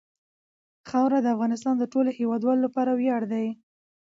خاوره د افغانستان د ټولو هیوادوالو لپاره یو ویاړ دی.